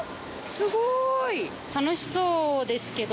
すごーい！